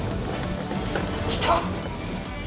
来た！